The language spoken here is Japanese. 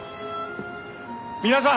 皆さん！